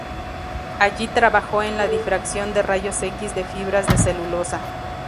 Allí trabajó en la difracción de rayos X de fibras de celulosa.